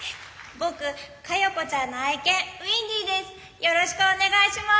「僕嘉代子ちゃんの愛犬ウインディです。